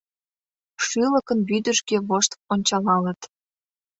Шӱлыкын вӱдыжгӧ вошт ончалалыт.